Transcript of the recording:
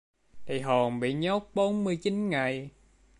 thì hồn bị nhốt bốn mươi chín ngày